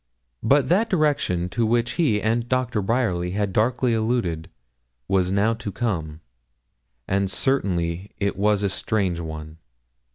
But that direction to which he and Doctor Bryerly had darkly alluded, was now to come, and certainly it was a strange one.